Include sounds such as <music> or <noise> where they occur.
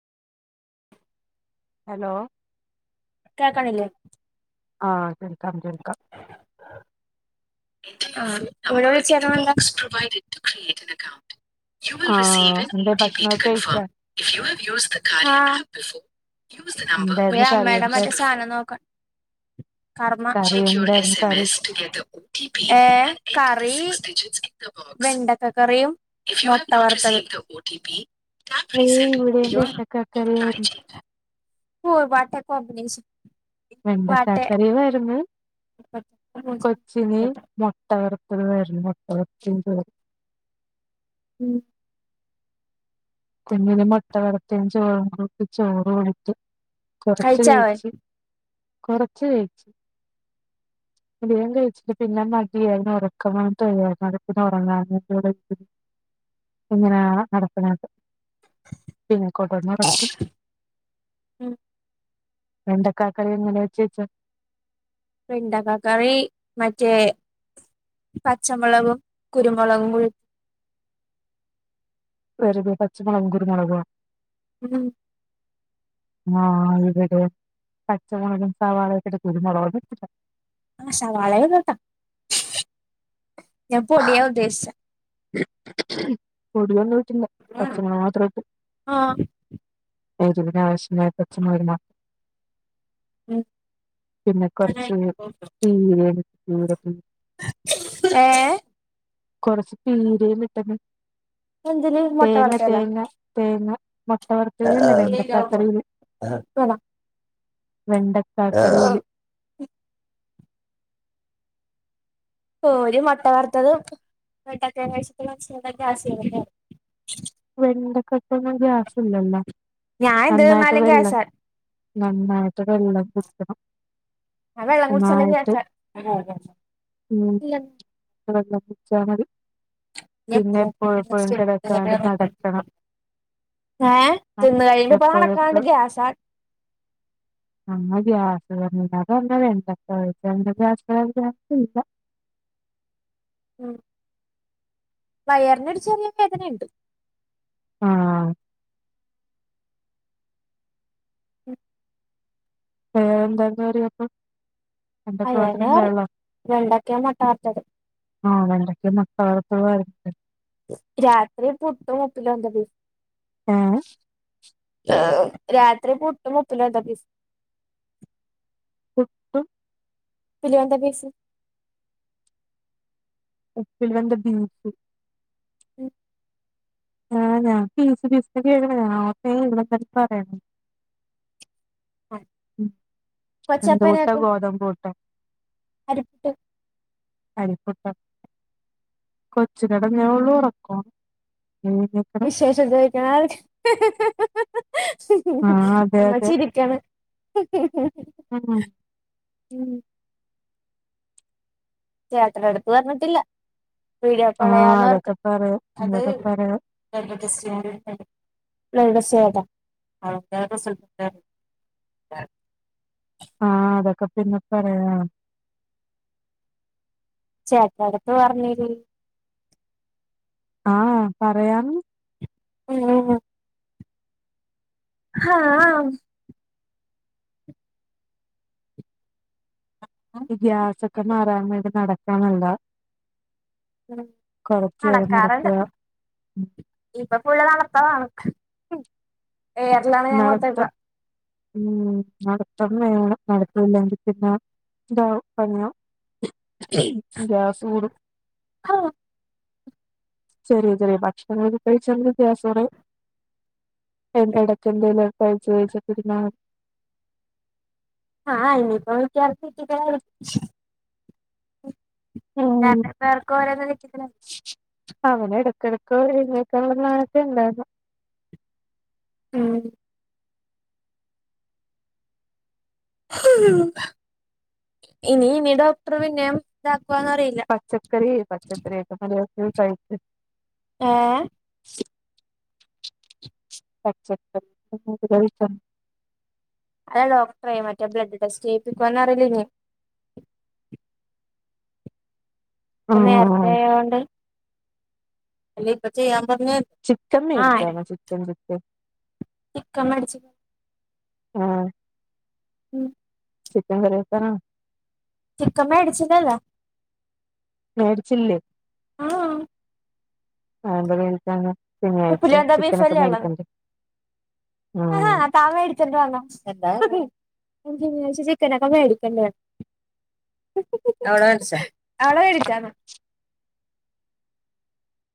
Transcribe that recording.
Hello കേക്കണില്ലേ ആഹ കേൾക്കാം കേൾക്കാം പ്ര <unintelligible> യു വൽ ആഹ് സീവ് എൻ എന്താ ഓ ഭക്ഷണൊക്കെ കഫർ് കഴിച്ചാ if you have use the കാര്യം <inaudible> <unintelligible> ഇത് എന്തായിരുന്നു കറി അമ്മയുടെ മറ്റേ എന്തായിരുന്നു സാധനം നോക്കാൻ കർമ്മ കറി എന്തായിരുന്നു കറി ഏ കറി വെണ്ടക്കക്കറിയും മൊട്ട വറുത്തതും ഏയ് ഇവിടെയും വെണ്ടക്കാക്കറിയായിരുന്നു <unintelligible> കോംമ്പിനേഷൻ വെണ്ടക്കാക്കറിമാരുന്നു. കൊച്ച് ചീനി മൊട്ട വറുത്ത അതായിരുന്നു മൊട്ട പപ്സിൻ്റെ ഉം പിന്നെ ഇനി മൊട്ട വറുത്തേം ചോറും കൂട്ടി ചോറ് കൊടുത്തു. കൊറച്ച് കഴിച്ചാവൻ കഴിച്ച് കൊറച്ച് കഴിച്ച്. വേഗം കഴിച്ചിട്ട് പിന്നെ മതിതായി. അവന് ഒറക്കം വന്നിട്ട് വയ്യാര്ന്ന്. അത് പിന്നെ <unintelligible> എങ്ങനെയാ നടക്കണതെന്ന്. പിന്നെ കൊണ്ട് വന്ന് ഒറക്കി. ഉം എന്തൊക്ക കറികളാ വെച്ചുവെച്ചേ? വെണ്ടക്കാക്കറി മറ്റേ പച്ചമുളകും കുരുമുളകും കൂടീ വെറുതേ പച്ചമുളകും കുരുമുളകുവാ? ഉം <unintelligible> പച്ചമുളകും സവാളയും <unintelligible> ആ സവാളയിൽ <unintelligible> ഞാൻ പൊടിയാ ഉദ്ദേശിച്ചേ. പൊടി <unintelligible> ഇല്ല. പച്ചമുളക് മാത്രമിട്ട് ആഹ് എരുവിനാവശ്യമായ പച്ചമുളക്നാ പിന്നെ കൊറച്ച് തീയല് <unintelligible> ഏ കൊറച്ച് പീരേം <unintelligible> എന്തിന് മുട്ട തേങ്ങ വറുത്തതല്ല തേങ്ങ തേങ്ങ മൊട്ടവറുത്തതിലല്ല വേണോ വെണ്ടക്കക്കറിയില്. വെണ്ടക്കാക്കറിയില് ഓര് മുട്ട വറുത്തതും <unintelligible> വെണ്ടക്കക്കൊന്നും ഗ്യാസില്ലല്ലോ. ഞാൻ എന്ത് നന്നായിട്ട് തിന്നാലും വെള്ളം ഗ്യാസാ നന്നായിട്ട് വെളളം കുടിക്കണം. ഞാൻ വെള്ളം കുടിച്ചാലും നന്നായിട്ട് ഗ്യാസാ. ഉം വെള്ളം കുടിച്ചാ മതി. പിന്നെ പുഴ <unintelligible> ഏ ചെന്ന് കഴിയുമ്പോ ഇപ്പ എപ്പോഴെപ്പോ നടക്കാണ്ട് ഗ്യാസാണ്. നമ്മ <unintelligible> വയറിനൊര് ചെറിയ വേദനയുണ്ട്. ആ <inaudible> ഏ എന്താന്ന <unintelligible> അയന വെണ്ടക്ക്യേം മൊട്ട വർത്തത് <unintelligible> രാത്രി പുട്ടും ഉപ്പില് വെന്ത ബീഫ് ആഹ് രാത്രി പുട്ട് ഉപ്പില് വെന്ത ബീഫ് ഉപ്പ് ഇല് വെന്ത ബീഫ് ഉപ്പിൽ വെന്ത ബീഫ് <inaudible> ആ ഞാൻ <unintelligible> ഉ എന്ത് പുട്ട കൊച്ചപ്പനാക്കും ഗോതമ്പ് പുട്ടൊ അരിപ്പുട്ട് അരിപ്പുട്ട കൊച്ച് കടന്നെ ഒള്ളൂ ഒറക്ക <unintelligible> ആഹ് അതെ അമ്മ അതെ ചിരിക്കണ് ഉം ഉം യാത്ര അടുത്ത് പറഞ്ഞിട്ടില്ല വീടിയോ ആഹ് കോളെയ്യാന്നോർത്ത് അതൊക്കെ പറയാം അത് ഇതൊക്കെ പറയാം <unintelligible> <unintelligible> ആഹ് അതൊക്കെ പിന്നെ പറയാം ചേട്ടൻ്റടുത്ത് പറഞ്ഞേരു ആഹ് പറയാൻ ഉ ഉ ഉ ഹാ ഇ ഗ്യാസക്കെ മാറാൻ വേണ്ടി നട <unintelligible> ഉ നടക്കാറ്ണ്ട് ഉം. ഇപ്പൊ ഫുള്ള് നട ത്തൊവാണ് ഏരലാണ് ഞാൻ മൊത്തയിപ്പ നടത്തം ഉം നടത്തന്നാണ് നടത്തൊ ഇല്ലെങ്കി പിന്ന ഇതാവും പണിയാ ഗ്യാസൂട ശെരി ശെരി ഭക്ഷണം <unintelligible> <unintelligible> ആഹ ഇനിപ്പ <unintelligible> ഞ ഉം പേർക്കും ഓരോന്ന് <unintelligible> കെടക്ക എഴുന്നക്ക <unintelligible> ഉം ഇനി ഇനി ഡോക്ടർ പിന്നേം അറിയില്ല പച്ചക്കറി പച്ചക്കറിയൊക്കെ <unintelligible> തൈക് ഏ ഹ് <unintelligible> അല്ല ഡോക്ടറൊയി മറ്റേ ബ്ലഡ് ടെസ്റ്റ് ചെയ്യിപ്പിക്കുവന്ന അറിയില്ല ഇപ്പൊ ആഹ് നേരത്തെയായൊണ്ട് അല്ലെ പ്പചെയ്യാം ചിക്കൻ മേടിചോന്ന് ചിക്കൻ ചിക്കൻ ഇക്കൻ മേഡ്ച് ആഹ് ഉം ചിക്കൻ കറിവെക്കാനാ ചിക്കൻ മേടിച്ചതല്ല മേടിച്ചില്ലേ ആ ആങ്കർ <unintelligible> ഇ പുര്യന്ത ബീഫല്ലേ ഉള്ളത് ഉം അഹാ താൻമേടിച്ചോണ്ട്‌ വന്ന <unintelligible> <unintelligible> ചിക്കനൊക്കെ മേടിക്കണ്ടേ അവടെ വേടിച്ചോ